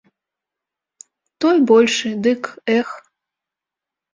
Той большы, дык, эх!